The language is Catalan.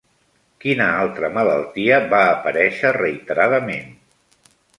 Quin altra malaltia va aparèixer reiteradament?